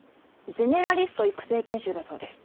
ゼネラリスト育成研修だそうです。